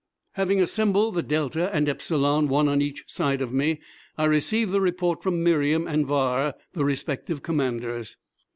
Having assembled the Delta and Epsilon, one on each side of me, I received the report from Miriam and Var, the respective commanders.